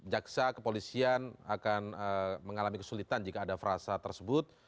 jaksa kepolisian akan mengalami kesulitan jika ada frasa tersebut